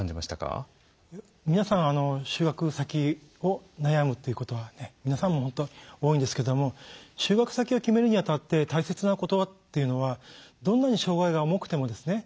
皆さん就学先を悩むということは皆さんも本当に多いんですけども就学先を決めるにあたって大切なことっていうのはどんなに障害が重くてもですね